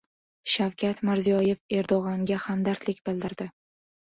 Shavkat Mirziyoyev Erdog‘anga hamdardlik bildirdi